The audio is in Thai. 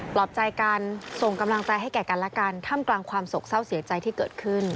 ปลอบใจกันส่งกำลังใจให้แก่กันและกันท่ามกลางความโศกเศร้าเสียใจที่เกิดขึ้น